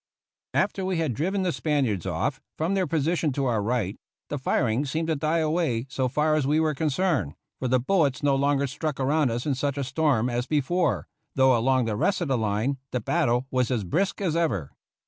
After we had driven the Spaniards off from their position to our right, the firing seemed to die away so far as we were concerned, for the bul lets no longer struck around us in such a storm as before, though along the rest of the line the battle 93 IHE ROUGH RIDERS was as brisk as ever.